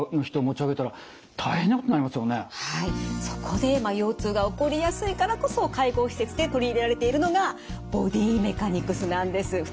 そこで腰痛が起こりやすいからこそ介護施設で取り入れられているのがボディメカニクスなんです。